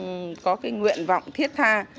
và cũng có cái nguyện vọng thiết tha